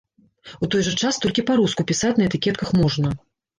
У той жа час толькі па-руску пісаць на этыкетках можна.